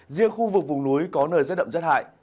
riêng khu vực vùng núi có nơi rét đậm rét hại